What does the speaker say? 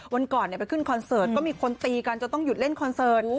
วันก่อนไปขึ้นคอนเสิร์ตก็มีคนตีกันจนต้องหยุดเล่นคอนเสิร์ต